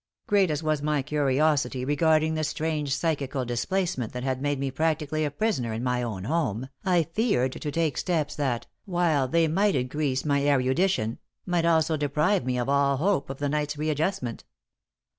Great as was my curiosity regarding the strange psychical displacement that had made me practically a prisoner in my own home, I feared to take steps that, while they might increase my erudition, might also deprive me of all hope of the night's readjustment.